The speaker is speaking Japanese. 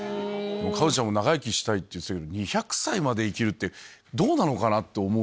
カズちゃんも長生きしたいって言ってたけど２００歳まで生きるってどうなのかなって思うんだけど。